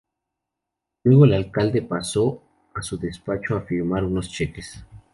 Luego el alcalde pasó a su despacho a firmar unos cheques.